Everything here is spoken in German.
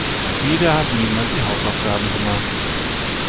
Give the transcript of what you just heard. Mal wieder hat niemand die Hausaufgaben gemacht.